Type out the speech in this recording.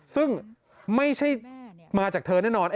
ซึ่งไม่ใช่มาจากเธอแน่นอน